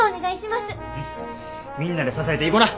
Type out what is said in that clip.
みんなで支えていこな。